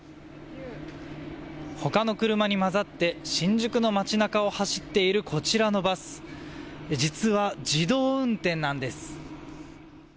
ほかの車に交ざって新宿の街なかを走っているこちらのバス、実は自動運転なんです。